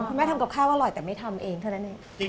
แม่ทำกับข้าวอร่อยแต่ไม่ทำเองเท่านั้นเอง